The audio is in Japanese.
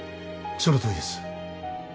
そのとおりです。